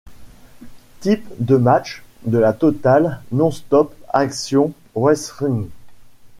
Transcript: Type de match de la Total Nonstop Action Wrestling.